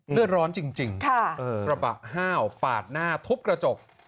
เลือดร้อนจริงกระบะห้าวปาดหน้าทุบกระจก